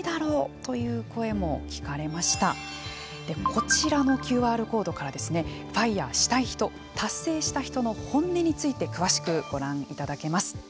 こちらのＱＲコードからですねＦＩＲＥしたい人達成した人の本音について詳しくご覧いただけます。